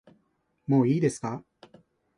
もういいですか